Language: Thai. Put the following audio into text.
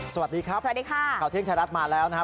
สวัสดีครับสวัสดีค่ะข่าวเที่ยงไทยรัฐมาแล้วนะครับ